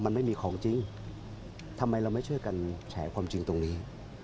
มันไม่มีของจริงทำไมเราไม่ช่วยกันแฉความจริงตรงนี้